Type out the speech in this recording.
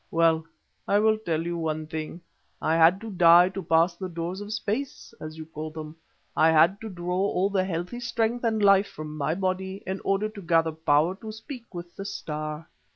Well, I will tell you one thing. I had to die to pass the doors of space, as you call them. I had to draw all the healthy strength and life from my body in order to gather power to speak with the Star.